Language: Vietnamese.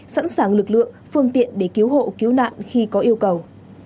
sẵn sàng lực lượng phương tiện để cứu hộ cứu nạn khi có yêu cầu